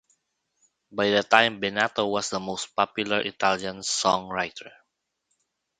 By this time, Bennato was the most popular Italian songwriter.